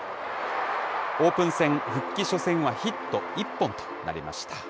オープン戦復帰初戦はヒット１本となりました。